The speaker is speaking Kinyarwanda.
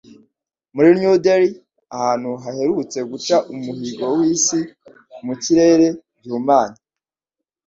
Muri New Delhi – ahantu haherutse guca umuhigo w'isi mu kirere gihumanye –